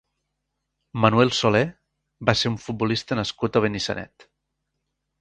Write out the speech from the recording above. Manuel Solé va ser un futbolista nascut a Benissanet.